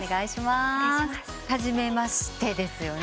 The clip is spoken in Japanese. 初めましてですよね。